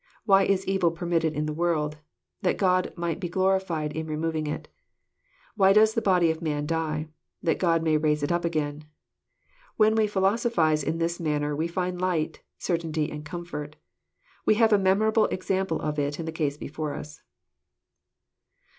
— Why is evil permit ted in the world ? That God may be glorified in removing it. — Why does the body of man die ? That God may raise it up again. — When we philosophize in this manner we find light, certainty, and comfort. We have a memorable example of it in the case before us."